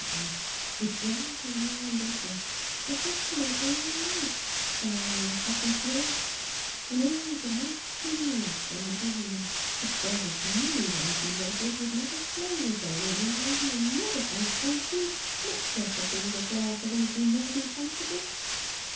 spekatel would drive away her lodger, the best lodger in her house, though only a second floor ; and her with the most feeling heart for another woman ; which there was many lady lodgers would make a slave of their landlady and never say "Thank you," much less offer you a glass of anything warm and comfortable.